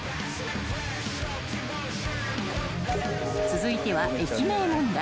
［続いては駅名問題］